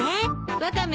ワカメ